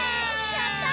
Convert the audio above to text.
やった！